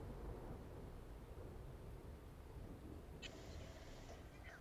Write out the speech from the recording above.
安第斯红鹳会在泥丘上产一只白色的蛋。